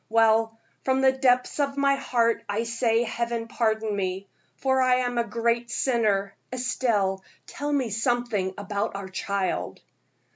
Well, from the depths of my heart I say Heaven pardon me, for I am a great sinner. Estelle, tell me something about our child."